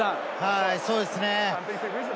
そうですね。